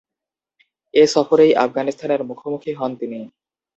এ সফরেই আফগানিস্তানের মুখোমুখি হন তিনি।